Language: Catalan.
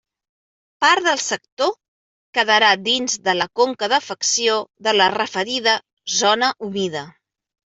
Part del sector quedarà dins de la conca d'afecció de la referida zona humida.